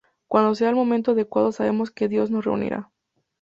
Cuando sea el momento adecuado, sabemos que Dios nos reunirá.